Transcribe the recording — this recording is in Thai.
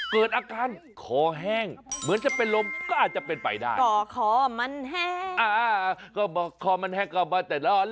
เกิดอาการขอแห้งเหมือนจะเป็นลมก็อาจจะเป็นไปได้ก็ขอมันแห้งก็บอกขอมันแห้งก็บอกแต่ร้อนร้องไห้